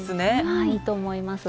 ああいいと思います。